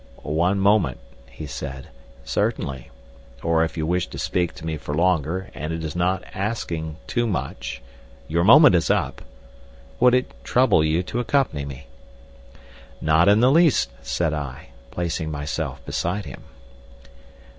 "One moment," he said, "certainly. Or if you wish to speak to me for longer, and it is not asking too much—your moment is up—would it trouble you to accompany me?" "Not in the least," said I, placing myself beside him.